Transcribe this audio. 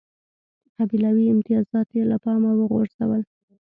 قبیلوي امتیازات یې له پامه وغورځول.